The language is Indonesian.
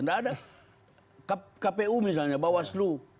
tidak ada kpu misalnya bawaslu